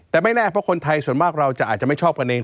แต่ไม่แน่เพราะคนไทยส่วนมากเราจะอาจจะไม่ชอบกันเอง